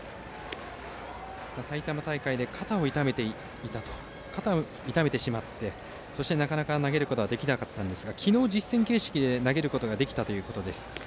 埼玉大会で肩を痛めてしまってなかなか投げることはできなかったんですが昨日、実戦形式で投げることができたということです。